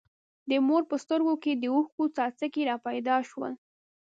د مور په سترګو کې د اوښکو څاڅکي را پیدا شول.